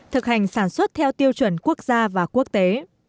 thực hành sản xuất theo tiêu chuẩn quốc gia và quốc tế